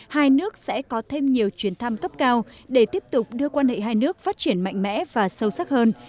hai nước sẽ có thêm nhiều chuyến thăm cấp cao để tiếp tục đưa quan hệ hai nước phát triển mạnh mẽ và sâu sắc hơn